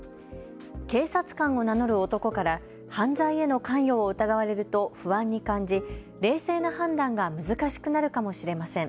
警察官を名乗る男から犯罪への関与を疑われると不安に感じ、冷静な判断が難しくなるかもしれません。